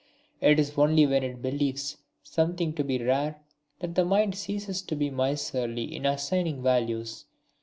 It is only when it believes something to be rare that the mind ceases to be miserly in assigning values.